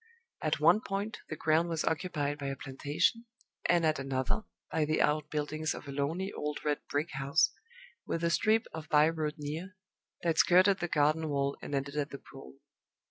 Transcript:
At one point the ground was occupied by a plantation, and at another by the out buildings of a lonely old red brick house, with a strip of by road near, that skirted the garden wall and ended at the pool.